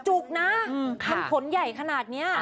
จุกนะมันผลใหญ่ขนาดนี้